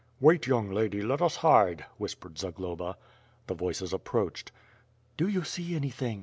"Wait, young lady, let us hide," whispered Zagloba. The voices approached. "Do you see anything?"